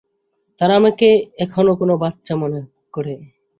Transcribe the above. তারা আমাকে এখনো কেনো বাচ্চা মনে করে?